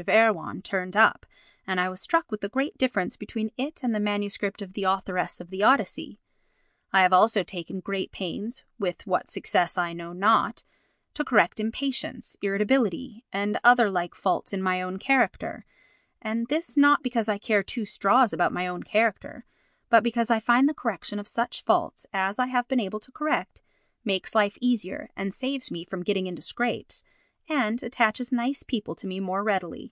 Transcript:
of Erewhon turned up, and I was struck with the great difference between it and the MS. of The Authoress of the Odyssey. I have also taken great pains, with what success I know not, to correct impatience, irritability and other like faults in my own character—and this not because I care two straws about my own character, but because I find the correction of such faults as I have been able to correct makes life easier and saves me from getting into scrapes, and attaches nice people to me more readily.